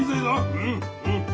うんうん。